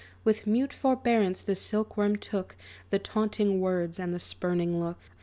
With mute forbearance the silk worm took The taunting words and the spurning look.